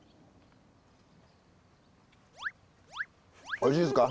おいしいですか？